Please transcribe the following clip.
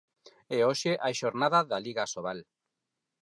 E hoxe hai xornada da Liga Asobal.